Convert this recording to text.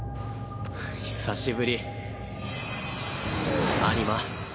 久しぶりアニマ。